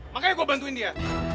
makanya gue bantuin dia